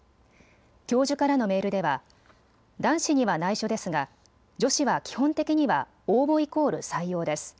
教授からのメールでは男子には内緒ですが女子は基本的には応募イコール採用です。